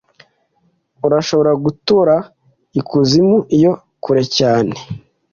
Urashobora gutura ikuzimu iyo kure cyane